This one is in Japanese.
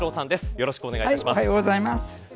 よろしくお願いします。